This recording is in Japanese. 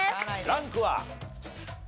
ランクは？